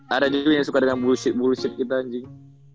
ada juga yang suka dengan bullshit bullshit kita anjing